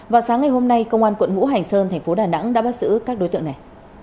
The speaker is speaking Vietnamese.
vào sáng ngày hôm nay công an quận ngũ hành sơn thành phố đà nẵng đã bắt giữ các đối tượng này